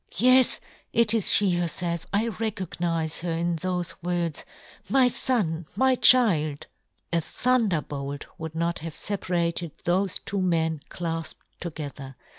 " Yes, it is fhe herfelf ! I recognize " her in thofe words, my fon ! my " child !" A thunderbolt would not have fe parated thofe two men clafped to gether.